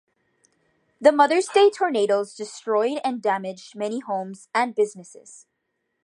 The Mother's Day tornadoes destroyed and damaged many homes and businesses.